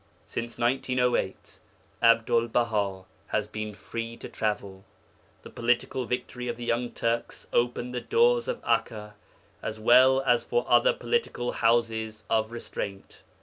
Since 1908 Abdul Baha has been free to travel; the political victory of the Young Turks opened the doors of Akka, as well as of other political 'houses of restraint.'